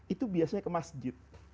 itu biasanya ke masjid